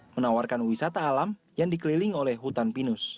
menawarkan wisata alam yang dikeliling oleh hutan pinus